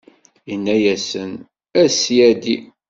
Inna-yasen: A Ssyadi!